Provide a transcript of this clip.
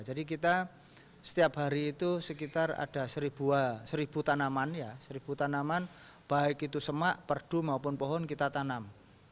jadi kita setiap hari itu sekitar ada seribu tanaman baik itu semak perdu maupun pohon kita tanam